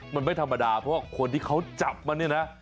มันไม่ธรรมดาเพราะว่าคนที่เขาจับมันเนี่ยนะ